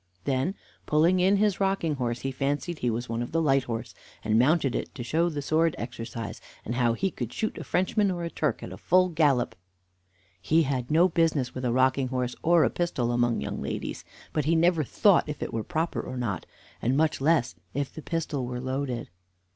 Then, pulling in his rocking horse, he fancied he was one of the Light Horse, and mounted it to show the sword exercise, and how he could shoot a Frenchman or a Turk at full gallop. He had no business with a rocking horse or a pistol among young ladies, but he never thought if it were proper or not, and much less if the pistol were loaded.